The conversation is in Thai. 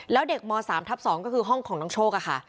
แล้วเด็กม๓ทับ๒ก็คือห้องของน้องโชคค่ะ